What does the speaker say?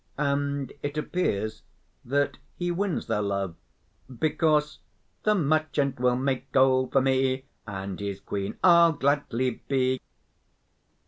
And it appears that he wins their love because: The merchant will make gold for me And his queen I'll gladly be.